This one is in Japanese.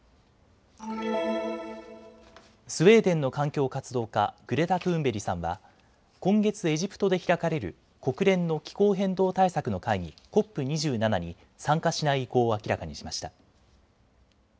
スウェーデンの環境活動家、グレタ・トゥーンベリさんは今月エジプトで開かれる国連の気候変動対策の会議、ＣＯＰ２７に参加しない意向を明らかにしました。